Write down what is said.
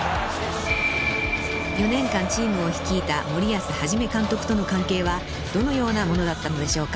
［４年間チームを率いた森保一監督との関係はどのようなものだったのでしょうか］